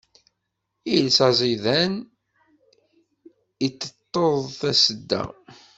Iles aẓidan, iteṭṭeḍ tasedda.